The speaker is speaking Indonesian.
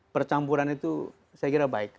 percampuran itu saya kira baik